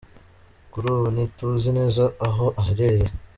Kuri ubu ntituzi neza aho aherereye.